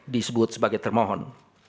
disebut sebagai termohon